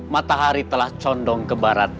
matahari telah condong ke barat